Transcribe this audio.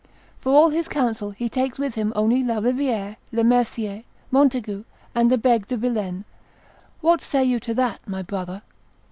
For all his council be takes with him only La Riviere, Le Mercier, Montaigu, and Le Begue de Vilaine. What say you to that, my brother?"